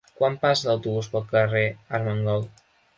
Quan passa l'autobús pel carrer Armengol?